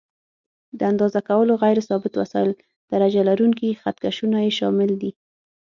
د اندازه کولو غیر ثابت وسایل: درجه لرونکي خط کشونه یې شامل دي.